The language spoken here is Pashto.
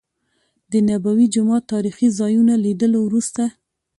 د نبوي جومات تاريخي ځا يونو لیدلو وروسته.